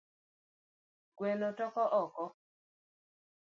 Gueno toko oko